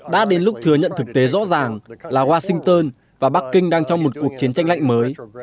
đã đến lúc thừa nhận thực tế rõ ràng là washington và bắc kinh đang trong một cuộc chiến tranh lạnh mới